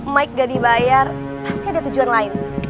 mike gak dibayar pasti ada tujuan lain